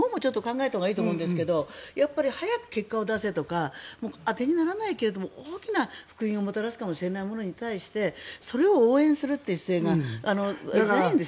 日本もちょっと考えたほうがいいと思うんですけど早く結果を出せとか充てにならないけれども大きな福音をもたらすかもしれないものに対してそれを応援するというのが。